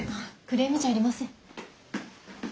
クレームじゃありません。